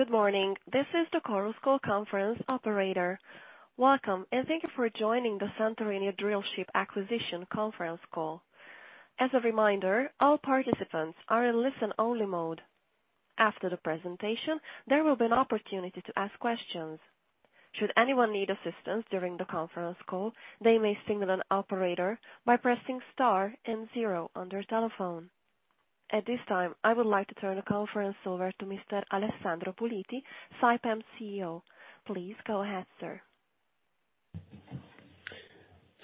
Good morning. This is the Chorus Call Conference Operator. Welcome, and thank you for joining the Santorini Drillship Acquisition conference call. As a reminder, all participants are in listen only mode. After the presentation, there will be an opportunity to ask questions. Should anyone need assistance during the conference call, they may signal an operator by pressing star and zero on their telephone. At this time, I would like to turn the conference over to Mr. Alessandro Puliti, Saipem CEO. Please go ahead, sir.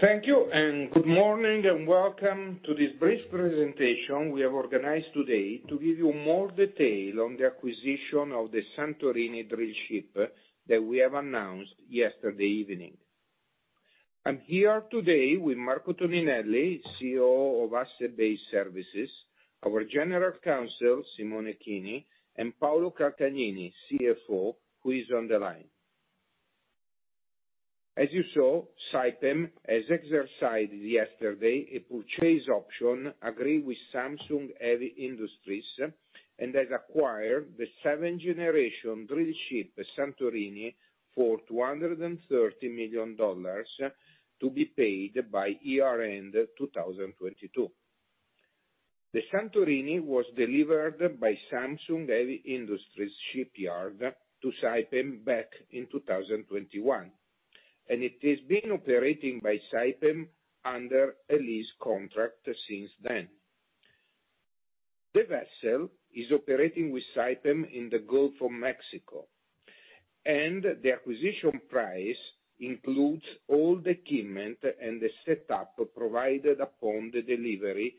Thank you, and good morning, and welcome to this brief presentation we have organized today to give you more detail on the acquisition of the Santorini drillship that we have announced yesterday evening. I'm here today with Marco Toninelli, COO of Asset Based Services, our General Counsel, Simone Chini, and Paolo Calcagnini, CFO, who is on the line. As you saw, Saipem has exercised yesterday a purchase option agreed with Samsung Heavy Industries, and has acquired the seventh-generation drillship, Santorini, for $230 million to be paid by year-end of 2022. The Santorini was delivered by Samsung Heavy Industries Shipyard to Saipem back in 2021, and it is being operating by Saipem under a lease contract since then. The vessel is operating with Saipem in the Gulf of Mexico, and the acquisition price includes all the equipment and the setup provided upon the delivery of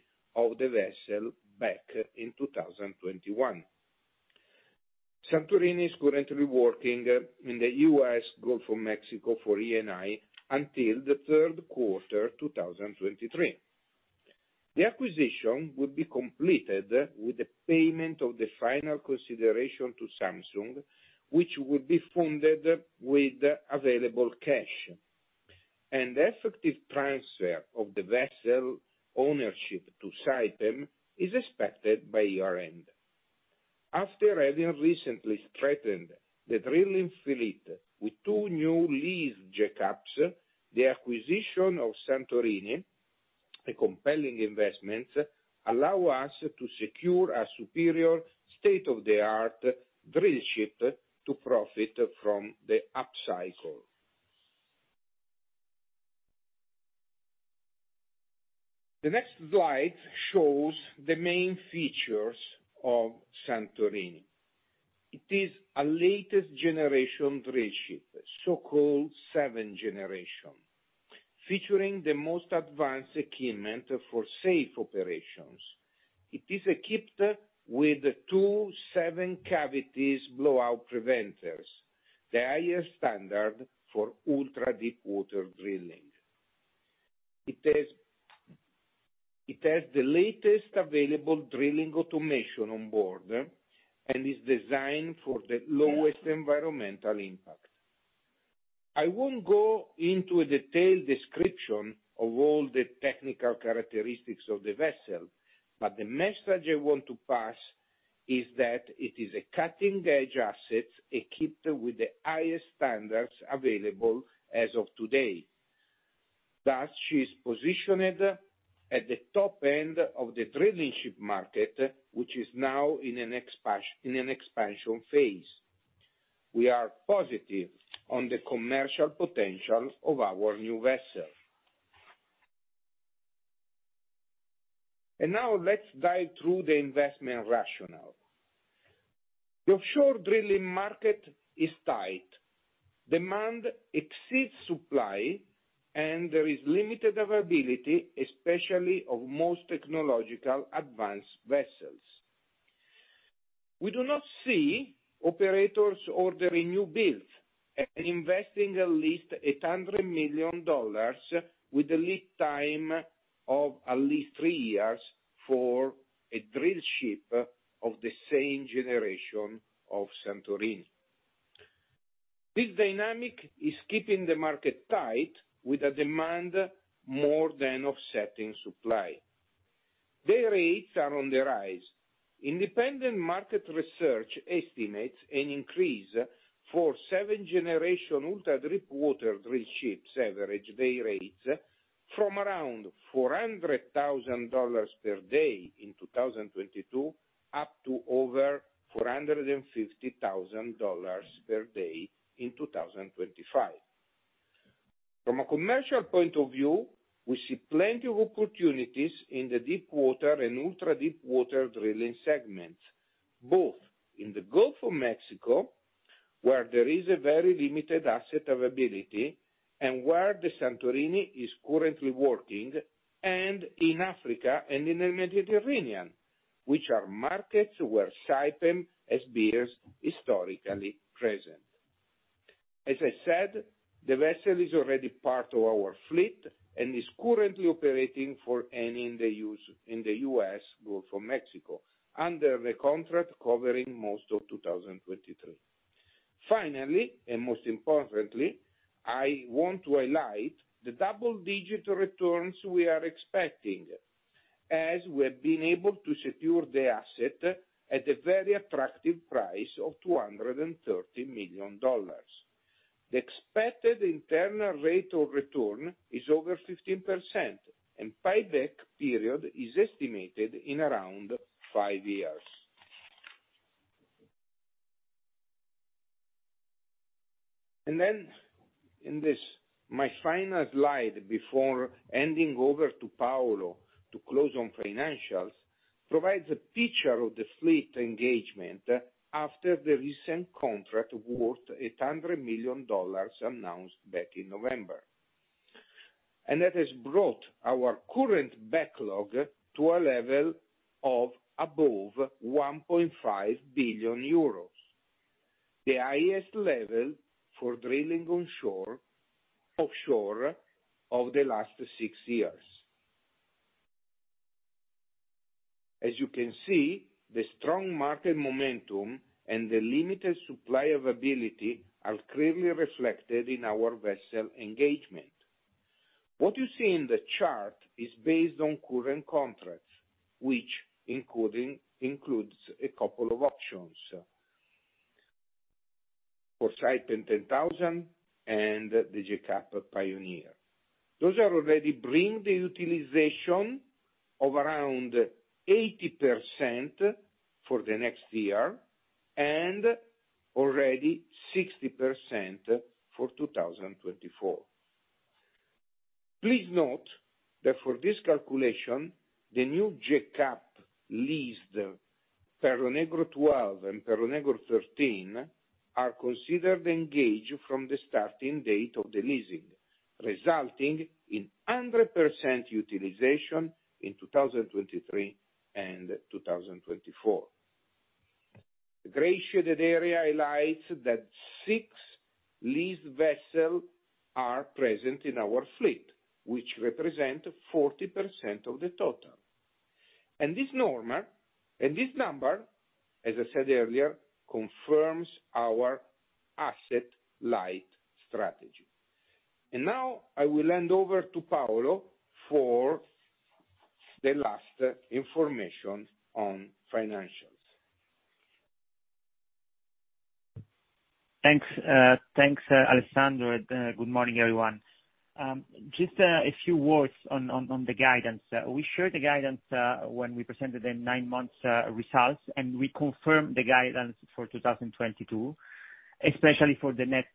the vessel back in 2021. Santorini is currently working in the U.S. Gulf of Mexico for Eni until the third quarter 2023. The acquisition will be completed with the payment of the final consideration to Samsung, which will be funded with available cash. The effective transfer of the vessel ownership to Saipem is expected by year-end. After having recently strengthened the drilling fleet with two new lease jackups, the acquisition of Santorini, a compelling investment, allow us to secure a superior state-of-the-art drillship to profit from the upcycle. The next slide shows the main features of Santorini. It is a latest generation drillship, so-called seventh-generation, featuring the most advanced equipment for safe operations. It is equipped with two seven-cavity Blow Out Preventers, the highest standard for ultra-deepwater drilling. It has the latest available drilling automation on board and is designed for the lowest environmental impact. I won't go into a detailed description of all the technical characteristics of the vessel. The message I want to pass is that it is a cutting-edge asset equipped with the highest standards available as of today. She is positioned at the top end of the drillship market, which is now in an expansion phase. We are positive on the commercial potential of our new vessel. Now let's dive through the investment rationale. The offshore drilling market is tight. Demand exceeds supply. There is limited availability, especially of most technological advanced vessels. We do not see operators ordering new builds and investing at least $100 million with a lead time of at least three years for a drillship of the same generation of Santorini. This dynamic is keeping the market tight with a demand more than offsetting supply. Day rates are on the rise. Independent market research estimates an increase for 7th-generation ultra-deepwater drillships average day rates from around $400,000 per day in 2022, up to over $450,000 per day in 2025. From a commercial point of view, we see plenty of opportunities in the deepwater and ultra-deepwater drilling segments, both in the Gulf of Mexico, where there is a very limited asset availability, and where the Santorini is currently working, and in Africa and in the Mediterranean, which are markets where Saipem has been historically present. As I said, the vessel is already part of our fleet and is currently operating for Eni in the U.S., in the U.S. Gulf of Mexico, under the contract covering most of 2023. Finally, most importantly, I want to highlight the double-digit returns we are expecting as we have been able to secure the asset at a very attractive price of $230 million. The expected internal rate of return is over 15%, and pay back period is estimated in around five years. In this, my final slide before handing over to Paolo to close on financials, provides a picture of the fleet engagement after the recent contract worth $800 million announced back in November. That has brought our current backlog to a level of above 1.5 billion euros, the highest level for drilling on shore, offshore of the last six years. As you can see, the strong market momentum and the limited supply availability are clearly reflected in our vessel engagement. What you see in the chart is based on current contracts, which includes a couple of options for Saipem 10000 and the jackup Pioneer. Those are already bring the utilization of around 80% for the next year and already 60% for 2024. Please note that for this calculation, the new jackup leased, Perro Negro 12 and Perro Negro 13, are considered engaged from the starting date of the leasing, resulting in 100% utilization in 2023 and 2024. The gray shaded area highlights that six leased vessel are present in our fleet, which represent 40% of the total. This number, as I said earlier, confirms our asset light strategy. Now I will hand over to Paolo for the last information on financials. Thanks. Thanks, Alessandro. Good morning, everyone. Just a few words on the guidance. We shared the guidance when we presented the nine months results, and we confirm the guidance for 2022, especially for the net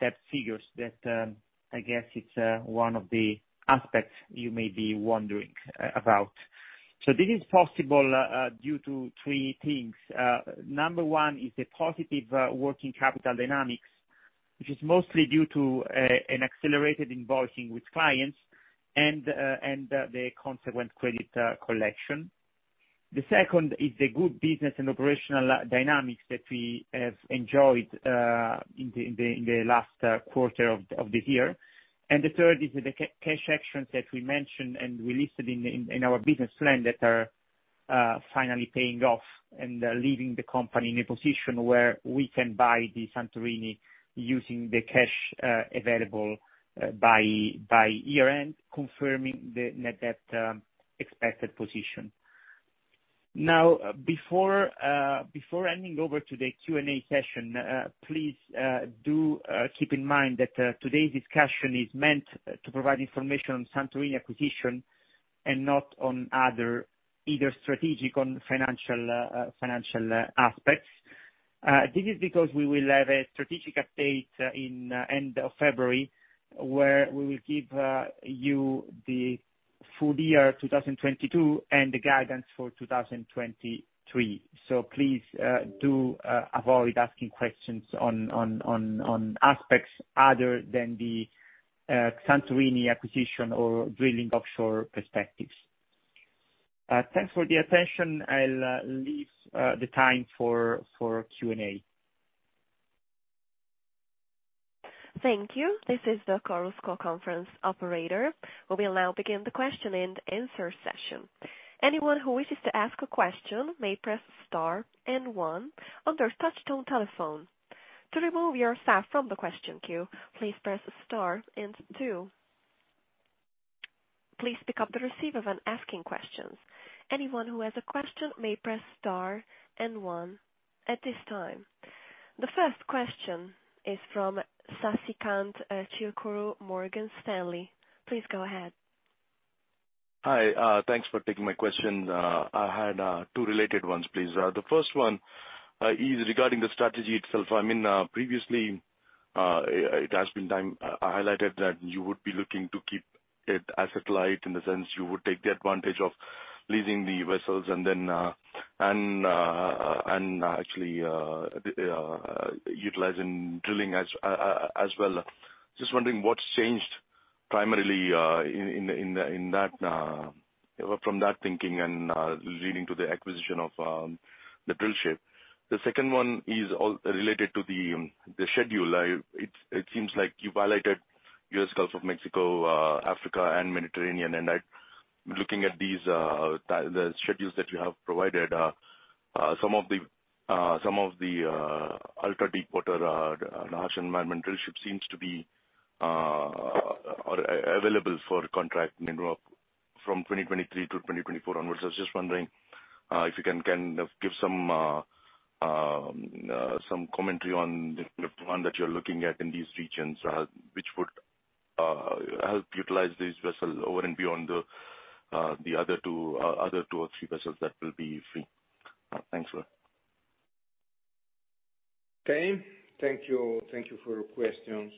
debt figures that I guess it's one of the aspects you may be wondering about. This is possible due to three things. Number one is the positive working capital dynamics, which is mostly due to an accelerated invoicing with clients and the consequent credit collection. The second is the good business and operational dynamics that we have enjoyed in the last quarter of the year. The third is the cash actions that we mentioned and we listed in our business plan that are finally paying off and leaving the company in a position where we can buy the Santorini using the cash available by year-end, confirming the net debt expected position. Before handing over to the Q&A session, please do keep in mind that today's discussion is meant to provide information on Santorini acquisition and not on other either strategic on financial aspects. This is because we will have a strategic update in end of February, where we will give you the full year 2022 and the guidance for 2023. Please do avoid asking questions on aspects other than the Santorini acquisition or drilling offshore perspectives. Thanks for the attention. I'll leave the time for Q&A. Thank you. This is the Chorus Call conference operator. We will now begin the question and answer session. Anyone who wishes to ask a question may press star and one on their touchtone telephone. To remove yourself from the question queue, please press star and two. Please pick up the receiver when asking questions. Anyone who has a question may press star and one at this time. The first question is from Sasikanth Chilukuru, Morgan Stanley. Please go ahead. Hi, thanks for taking my question. I had two related ones, please. The first one is regarding the strategy itself. I mean, previously, it has been highlighted that you would be looking to keep it asset light, in the sense you would take the advantage of leasing the vessels and then, actually, utilizing drilling as well. Just wondering what's changed primarily in the, in that, from that thinking and leading to the acquisition of the drillship. The second one is related to the schedule. It seems like you highlighted U.S. Gulf of Mexico, Africa and Mediterranean. I... Looking at these, the schedules that you have provided, some of the ultra-deepwater, harsh environment drillship seems to be available for contract in from 2023-2024 onwards. I was just wondering, if you can give some commentary on the plan that you're looking at in these regions, which would help utilize this vessel over and beyond the other two or three vessels that will be free. Thanks a lot. Okay. Thank you. Thank you for your questions.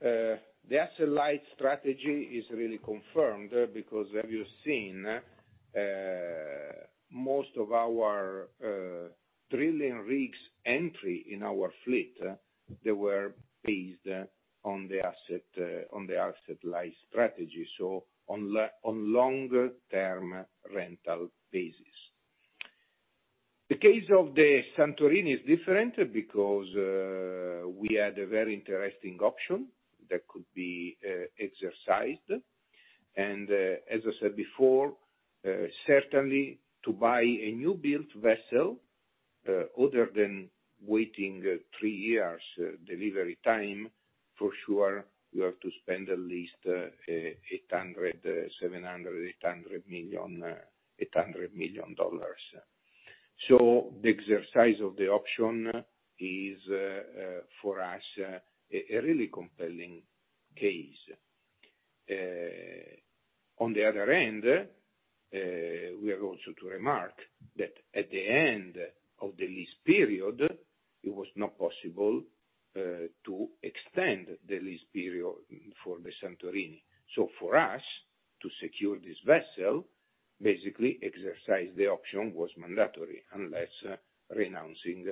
The asset light strategy is really confirmed because as you have seen, most of our drilling rigs entry in our fleet, they were based on the asset light strategy, on longer term rental basis. The case of the Santorini is different because we had a very interesting option that could be exercised. As I said before, certainly to buy a new built vessel, other than waiting three years delivery time, for sure, you have to spend at least $800 million. The exercise of the option is for us a really compelling case. On the other end, we have also to remark that at the end of the lease period, it was not possible to extend the lease period for the Santorini. For us to secure this vessel, basically exercise the option was mandatory unless renouncing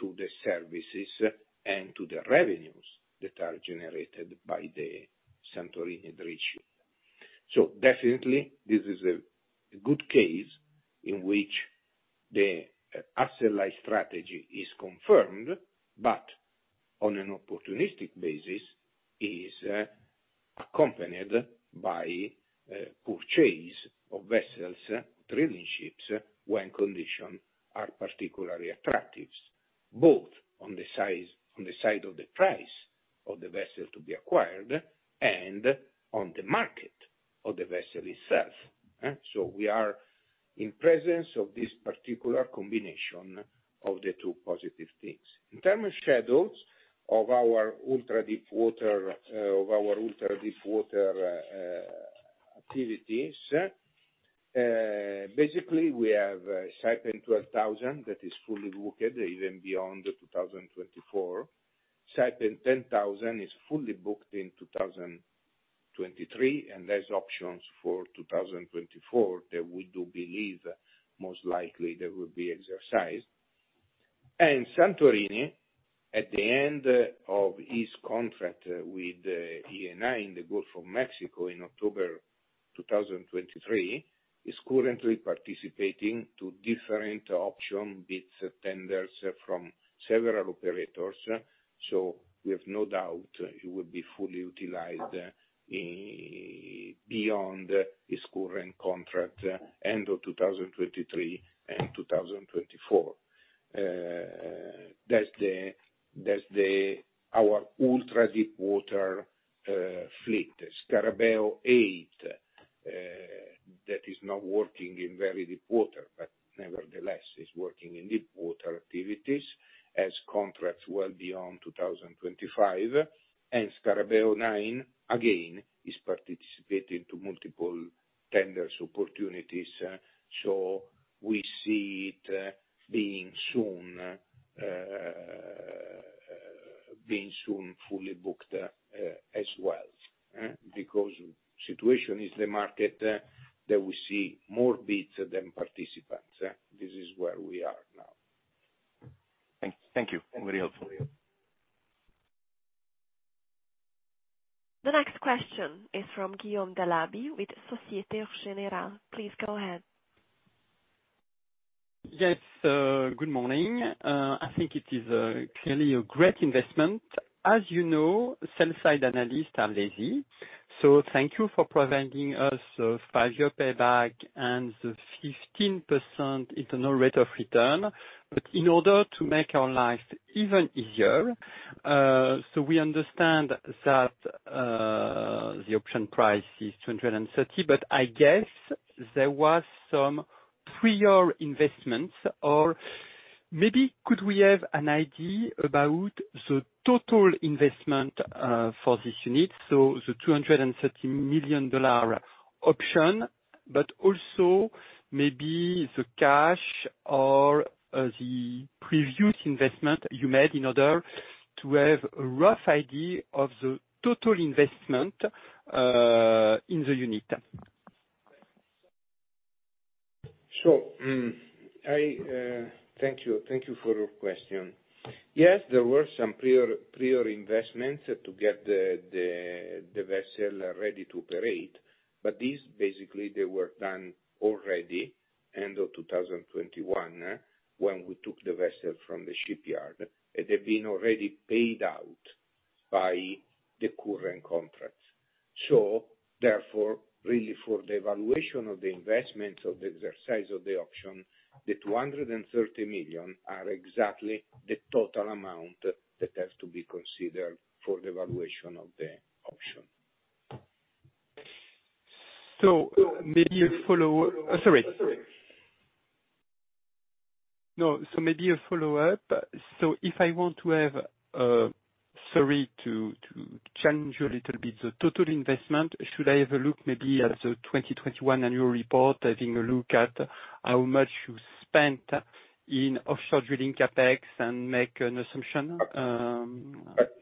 to the services and to the revenues that are generated by the Santorini drillship. Definitely this is a good case in which the asset light strategy is confirmed, but on an opportunistic basis is accompanied by purchase of vessels, drilling ships when conditions are particularly attractive, both on the side of the price of the vessel to be acquired and on the market of the vessel itself. We are in presence of this particular combination of the two positive things. In terms of schedules of our ultra deepwater activities, basically we have Saipem 12000 that is fully booked even beyond 2024. Saipem 10000 is fully booked in 2023, and there's options for 2024 that we do believe most likely they will be exercised. Santorini at the end of his contract with Eni in the Gulf of Mexico in October 2023, is currently participating two different option bids tenders from several operators. We have no doubt he will be fully utilized beyond his current contract end of 2023 and 2024. That's the our ultra deepwater fleet. Scarabeo 8 that is now working in very deepwater, but nevertheless is working in deepwater activities, has contracts well beyond 2025. Scarabeo 9 again is participating to multiple tenders opportunities. We see it being soon fully booked as well. Situation is the market that we see more bids than participants. This is where we are now. Thank you. Very helpful. The next question is from Guillaume Delaby with Société Générale. Please go ahead. Yes, good morning. I think it is clearly a great investment. As you know, sell side analysts are lazy, so thank you for providing us a five-year payback and the 15% internal rate of return. In order to make our life even easier, we understand that the option price is $230 million, but I guess there was some prior investments or maybe could we have an idea about the total investment for this unit? The $230 million option, but also maybe the cash or the previous investment you made in order to have a rough idea of the total investment in the unit? I thank you. Thank you for your question. Yes, there were some prior investments to get the vessel ready to operate. These basically they were done already end of 2021 when we took the vessel from the shipyard. They've been already paid out by the current contract. Therefore, really for the valuation of the investment of the exercise of the option, the $230 million are exactly the total amount that has to be considered for the valuation of the option. Sorry. No. Maybe a follow-up. If I want to have, sorry to change a little bit the total investment, should I have a look maybe at the 2021 annual report, having a look at how much you spent in offshore drilling CapEx and make an assumption?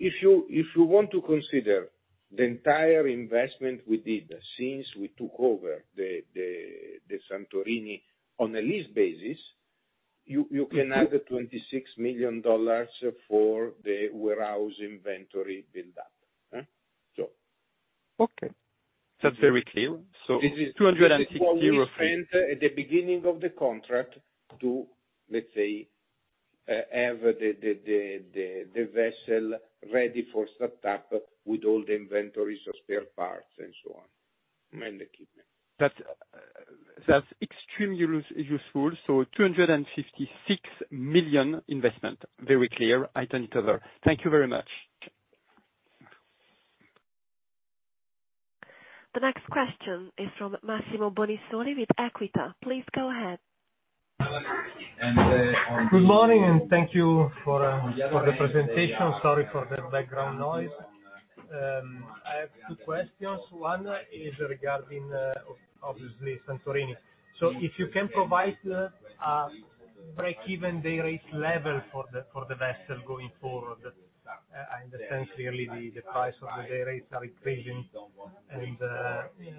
If you want to consider the entire investment we did since we took over the Santorini on a lease basis, you can add $26 million for the warehouse inventory build up. Okay, that's very clear. EUR 254 million. This is what we spent at the beginning of the contract to, let's say, have the vessel ready for startup with all the inventories of spare parts and so on, and the equipment. That's, that's extremely useful. 256 million investment. Very clear. I turn it over. Thank you very much. The next question is from Massimo Bonisoli with Equita. Please go ahead. And, uh, on the- Good morning, and thank you for for the presentation. Sorry for the background noise. I have two questions. One is regarding obviously Santorini. If you can provide break even day rate level for the for the vessel going forward? I understand clearly the price of the day rates are increasing and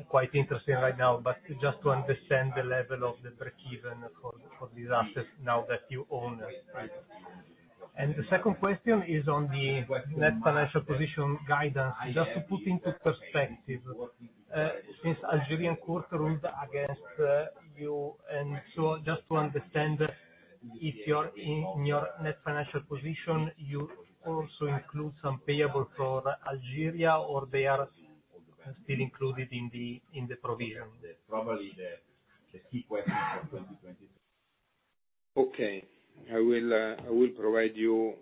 quite interesting right now. Just to understand the level of the break even for for these assets now that you own. The second question is on the net financial position guidance. Just to put into perspective, since Algerian court ruled against you, just to understand if you're in your net financial position, you also include some payable for Algeria or they are still included in the in the provision? Probably the key question for 2023. I will provide you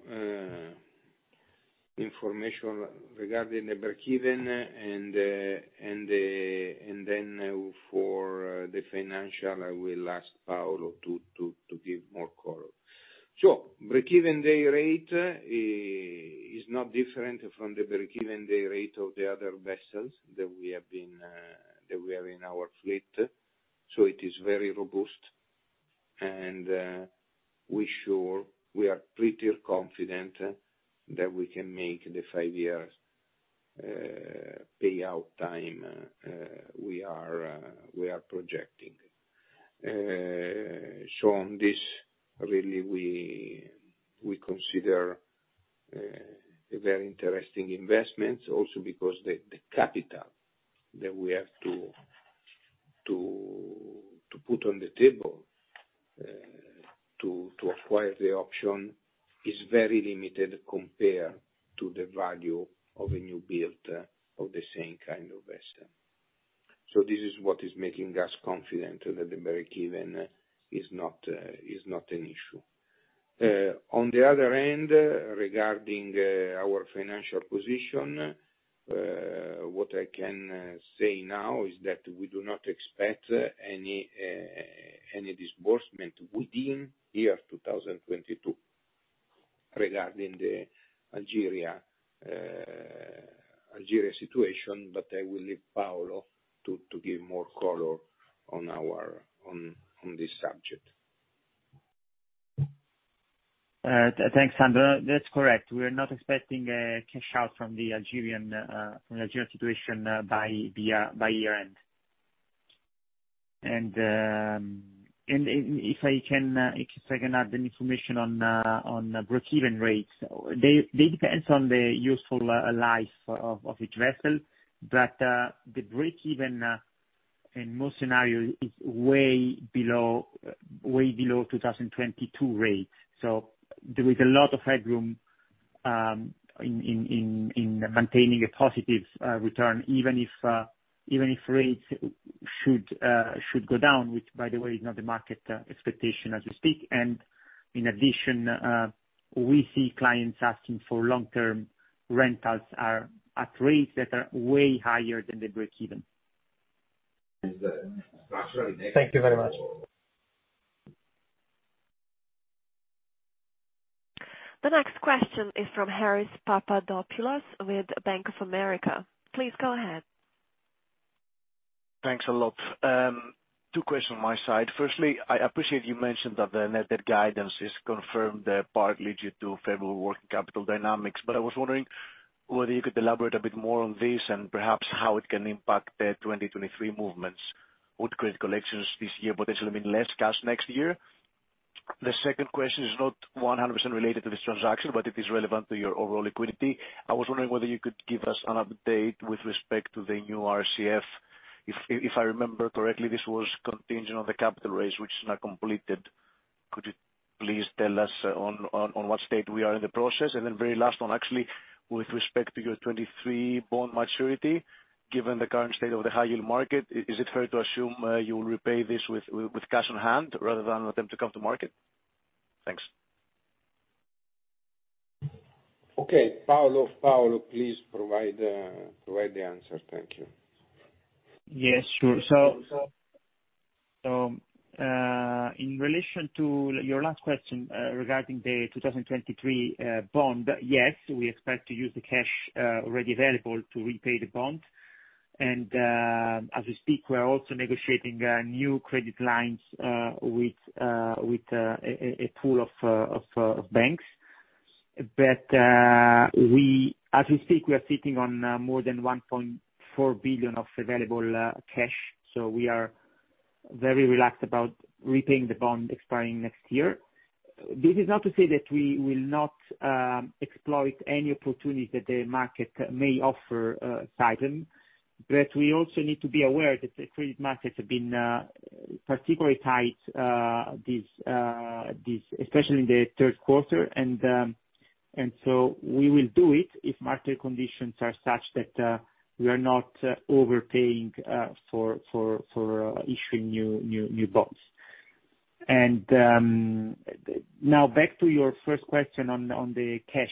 information regarding the break even and then for the financial, I will ask Paolo to give more color. Break even day rate is not different from the break even day rate of the other vessels that we have been that were in our fleet. It is very robust. We sure we are pretty confident that we can make the five years payout time we are projecting. On this really we consider a very interesting investment also because the capital that we have to put on the table to acquire the option is very limited compared to the value of a new build of the same kind of vessel. This is what is making us confident that the break-even is not an issue. On the other end, regarding our financial position, what I can say now is that we do not expect any disbursement within 2022 regarding the Algeria situation. I will leave Paolo to give more color on this subject. Thanks, Sandro. That's correct. We are not expecting a cash out from the Algerian, from the Algeria situation by year-end. If I can add an information on break even rates. They depends on the useful life of each vessel. The break even in most scenarios is way below 2022 rates. There is a lot of headroom in maintaining a positive return, even if rates should go down, which by the way is not the market expectation as we speak. In addition, we see clients asking for long-term rentals are at rates that are way higher than the break even. Is structurally negative. Thank you very much. The next question is from Haris Papadopoulos with Bank of America. Please go ahead. Thanks a lot. Two questions on my side. Firstly, I appreciate you mentioned that the net debt guidance is confirmed, partly due to favorable working capital dynamics, I was wondering whether you could elaborate a bit more on this and perhaps how it can impact the 2023 movements. Would credit collections this year potentially mean less cash next year? The second question is not 100% related to this transaction, but it is relevant to your overall liquidity. I was wondering whether you could give us an update with respect to the new RCF. If I remember correctly, this was contingent on the capital raise, which is now completed. Could you please tell us on what state we are in the process? Very last one, actually, with respect to your 2023 bond maturity, given the current state of the high yield market, is it fair to assume, you will repay this with cash on hand, rather than attempt to come to market? Thanks. Okay. Paolo, please provide the answer. Thank you. Yes, sure. So, in relation to your last question, regarding the 2023 bond, yes, we expect to use the cash already available to repay the bond. As we speak, we are also negotiating new credit lines with a pool of banks. As we speak, we are sitting on more than 1.4 billion of available cash, so we are very relaxed about repaying the bond expiring next year. This is not to say that we will not exploit any opportunity that the market may offer, Titan. We also need to be aware that the credit markets have been particularly tight this especially in the third quarter. We will do it if market conditions are such that we are not overpaying for issuing new bonds. Now back to your first question on the cash.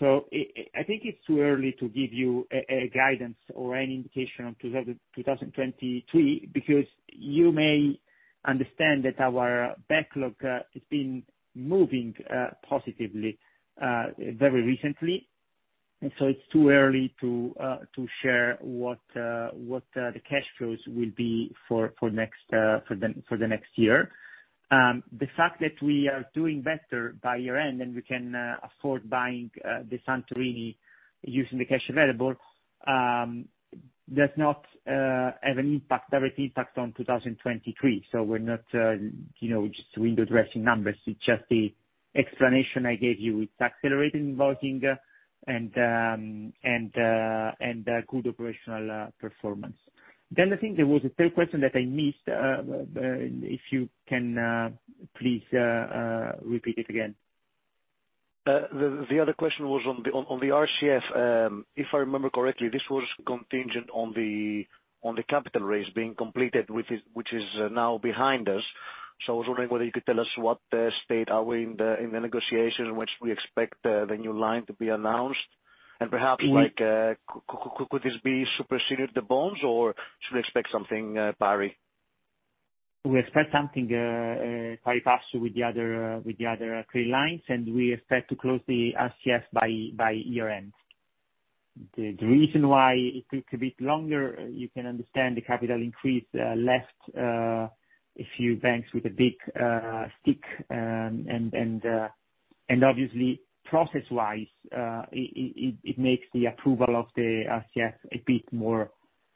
I think it's too early to give you a guidance or any indication on 2023, because you may understand that our backlog has been moving positively very recently, it's too early to share what the cash flows will be for next for the next year. The fact that we are doing better by year-end and we can afford buying the Santorini using the cash available does not have an impact, direct impact on 2023. We're not, you know, just window dressing numbers. It's just the explanation I gave you. It's accelerating booking and good operational performance. I think there was a third question that I missed, if you can, please, repeat it again. The other question was on the RCF. If I remember correctly, this was contingent on the capital raise being completed, which is now behind us. I was wondering whether you could tell us what state are we in the negotiations, when should we expect the new line to be announced? Perhaps like, could this be superseded the bonds or should we expect something pari? We expect something pari passu with the other, with the other credit lines, and we expect to close the RCF by year-end. The reason why it took a bit longer, you can understand the capital increase left a few banks with a big stick. Obviously process-wise, it makes the approval of the RCF a bit more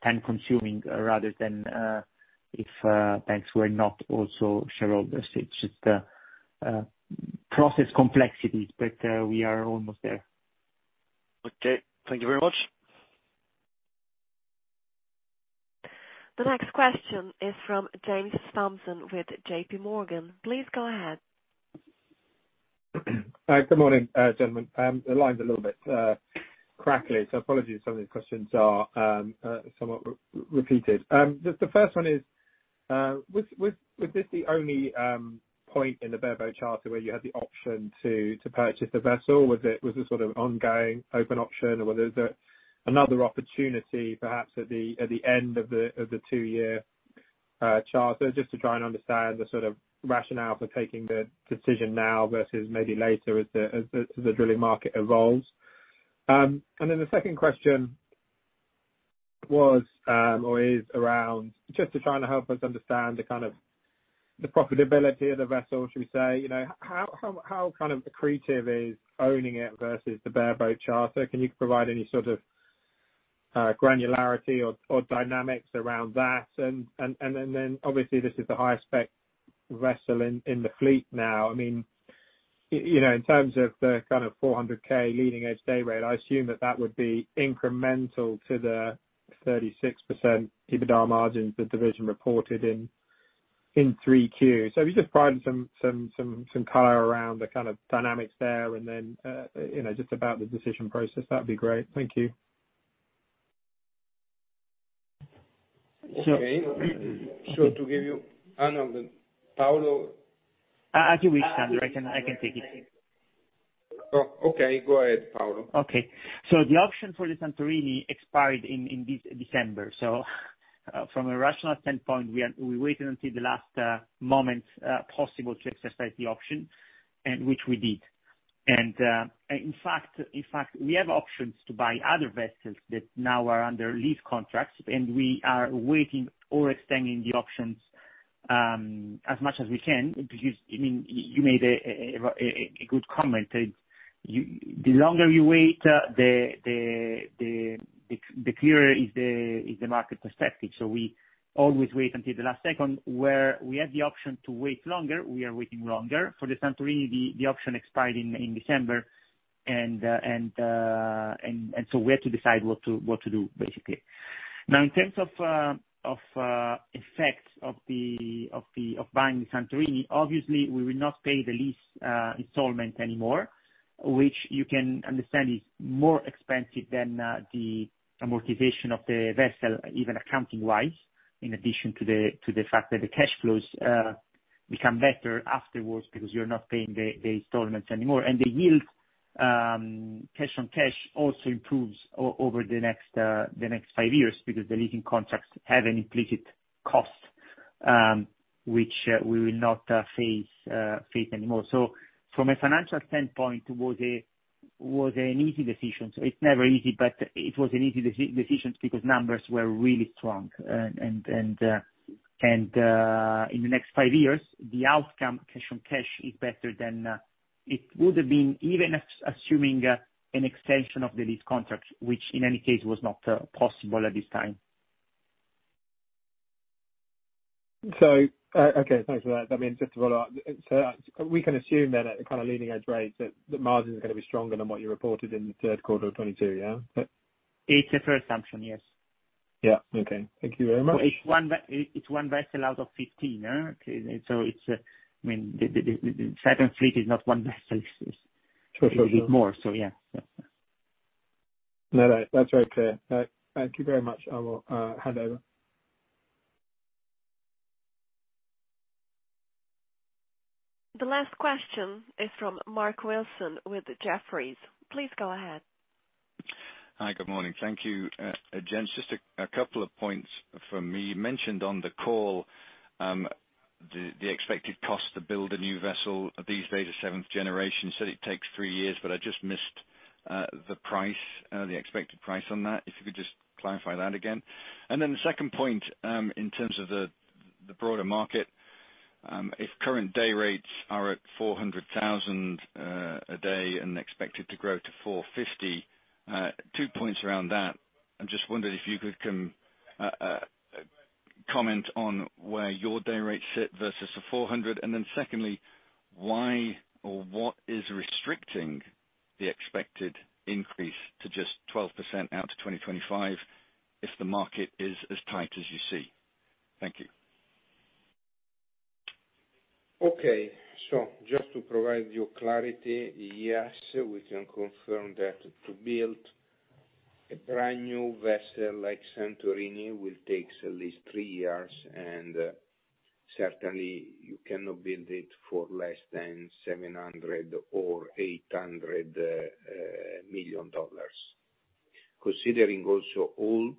time-consuming, rather than if banks were not also shareholders. It's just process complexities, but we are almost there. Okay. Thank you very much. The next question is from James Thompson with J.P. Morgan. Please go ahead. Good morning, gentlemen. The line's a little bit crackly, so apologies if some of these questions are somewhat re-repeated. The first one is, was this the only point in the bareboat charter where you had the option to purchase the vessel? Was it sort of ongoing open option or was there another opportunity perhaps at the end of the two-year charter? Just to try and understand the sort of rationale for taking the decision now versus maybe later as the drilling market evolves. The second question was, or is around just to try to help us understand the kind of the profitability of the vessel, should we say. You know, how kind of accretive is owning it versus the bareboat charter? Can you provide any sort of granularity or dynamics around that? Then obviously this is the highest spec vessel in the fleet now. I mean you know, in terms of the kind of 400k leading edge day rate, I assume that that would be incremental to the 36% EBITDA margins the division reported in 3Q. If you could just provide some color around the kind of dynamics there. Then, you know, just about the decision process, that'd be great. Thank you. So- Okay. To give you, Paolo. as you wish, Sandro. I can take it. Oh, okay. Go ahead, Paolo. Okay. The option for the Santorini expired in December. From a rational standpoint, we waited until the last moment possible to exercise the option, and which we did. In fact, we have options to buy other vessels that now are under lease contracts, and we are waiting or extending the options as much as we can, because you, I mean, you made a very good comment. The longer you wait, the clearer is the market perspective. We always wait until the last second. Where we have the option to wait longer, we are waiting longer. For the Santorini, the option expired in December. We have to decide what to do, basically. Now, in terms of effects of buying Santorini, obviously we will not pay the lease installment anymore, which you can understand is more expensive than the amortization of the vessel, even accounting wise, in addition to the fact that the cash flows become better afterwards because you're not paying the installments anymore. The yield cash on cash also improves over the next five years because the leasing contracts have an implicit cost which we will not face anymore. From a financial standpoint, it was an easy decision. It's never easy, but it was an easy decision because numbers were really strong. In the next five years, the outcome cash on cash is better than it would have been even assuming an extension of the lease contracts, which in any case was not possible at this time. Okay, thanks for that. I mean, just to follow up, we can assume that at kind of leading edge rates, that the margin is gonna be stronger than what you reported in the third quarter of 2022, yeah? It's a fair assumption, yes. Yeah, okay. Thank you very much. It's one vessel out of 15, so it's, I mean, the seventh fleet is not one vessel. Sure. It's a bit more, so yeah. Yeah. No, no, that's very clear. Thank you very much. I will hand over. The last question is from Mark Wilson with Jefferies. Please go ahead. Hi, good morning. Thank you, gents. Just a couple of points from me. You mentioned on the call, the expected cost to build a new vessel these days, a 7th-generation, said it takes three years, but I just missed the price, the expected price on that. If you could just clarify that again. The second point, in terms of the broader market, if current day rates are at 400,000 a day and expected to grow to 450,000, two points around that. I'm just wondering if you could comment on where your day rates sit versus the 400,000. Secondly, why or what is restricting the expected increase to just 12% out to 2025 if the market is as tight as you see? Thank you. Just to provide you clarity, yes, we can confirm that to build a brand new vessel like Santorini will takes at least three years. Certainly you cannot build it for less than $700 million or $800 million. Considering also all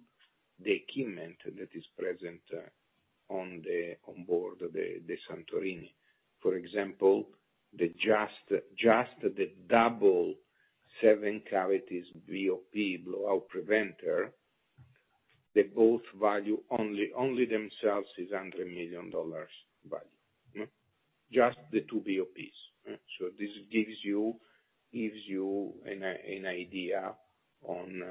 the equipment that is present on board the Santorini. For example, just the double seven cavities BOP, Blow Out Preventer, they both value only themselves is $100 million value. Just the two BOPs, this gives you an idea on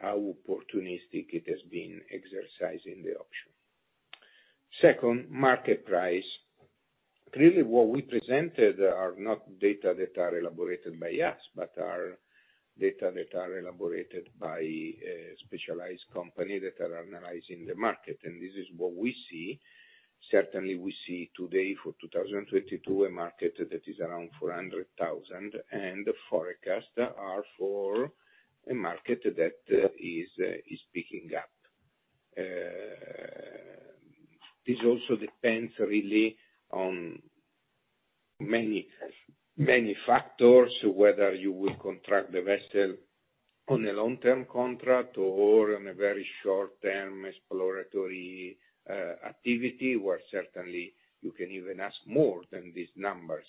how opportunistic it has been exercising the option. Second, market price. Clearly, what we presented are not data that are elaborated by us, but are data that are elaborated by specialized company that are analyzing the market. This is what we see. Certainly we see today for 2022, a market that is around 400,000. The forecast are for a market that is picking up. This also depends really on many, many factors, whether you will contract the vessel on a long-term contract or on a very short-term exploratory activity, where certainly you can even ask more than these numbers.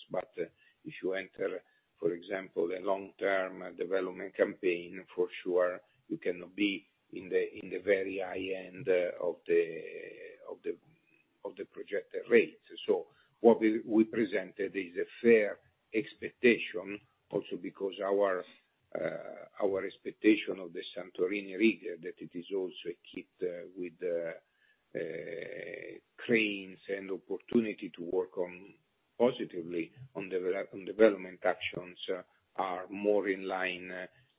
If you enter, for example, a long-term development campaign, for sure you cannot be in the very high end of the projected rates. What we presented is a fair expectation also because our expectation of the Santorini rig, that it is also equipped with cranes and opportunity to work on positively on development actions, are more in line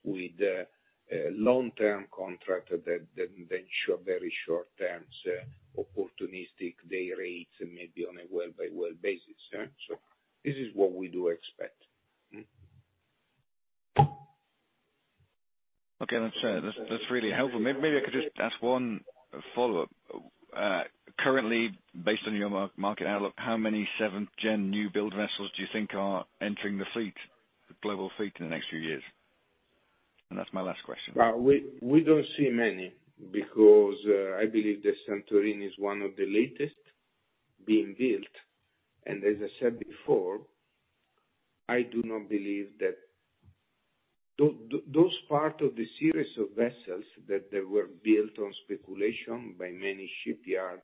with the long-term contract than short, very short-terms, opportunistic day rates, maybe on a well-by-well basis. This is what we do expect. Okay, that's really helpful. Maybe I could just ask one follow-up. Currently, based on your market outlook, how many seventh gen new build vessels do you think are entering the fleet, global fleet in the next few years? That's my last question. Well, we don't see many because I believe the Santorini is one of the latest being built. As I said before, I do not believe that those part of the series of vessels, that they were built on speculation by many shipyards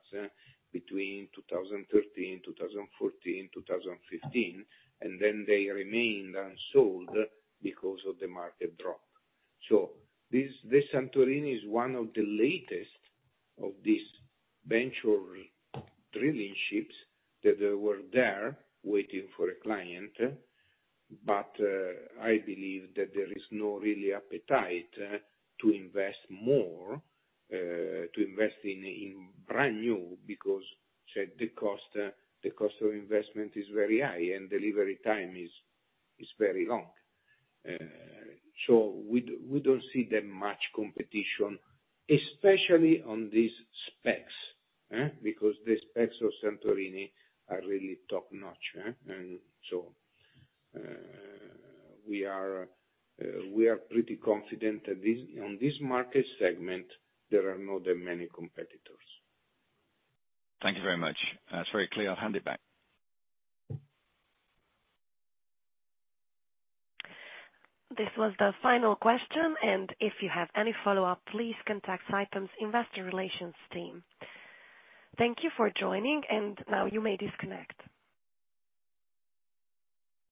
between 2013, 2014, 2015, and then they remained unsold because of the market drop. This Santorini is one of the latest of these venture drilling ships that they were there waiting for a client. I believe that there is no really appetite to invest more to invest in brand new because, say, the cost of investment is very high and delivery time is very long. We don't see that much competition, especially on these specs, because the specs of Santorini are really top-notch, and so, we are, we are pretty confident that on this market segment, there are not that many competitors. Thank you very much. It's very clear. I'll hand it back. This was the final question, and if you have any follow-up, please contact Saipem's investor relations team. Thank you for joining, and now you may disconnect.